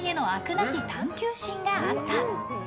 なき探究心があった。